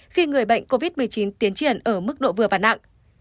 khi người bệnh covid một mươi chín tiến triển ở mức độ vừa và nặng